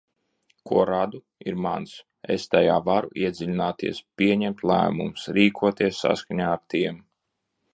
Ko radu, ir mans, es tajā varu iedziļināties, pieņemt lēmumus, rīkoties saskaņā ar tiem.